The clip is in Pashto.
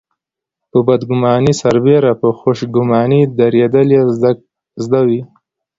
په بدګماني سربېره په خوشګماني درېدل يې زده وي.